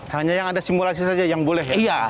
hanya yang ada simulasi saja yang boleh iya